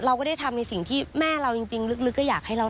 เราก็ได้ทำในสิ่งที่แม่เราจริงลึกก็อยากให้เรา